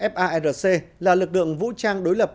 firc là lực lượng vũ trang đối lập